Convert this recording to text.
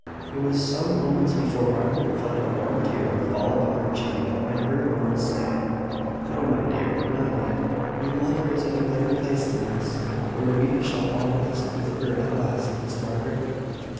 It was some moments before Margaret felt a warm tear fall upon her cheek, and heard Morris say: "No, my dear: not yet. Your mother is in a better place than this, where we shall all rest with her at last, Miss Margaret."